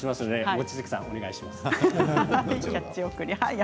望月さん、お願いします。